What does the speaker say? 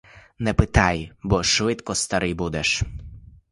Не питай, бо швидко старий будеш.